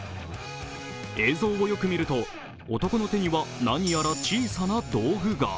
映像をよく見ると、男の手には何やら小さな道具が。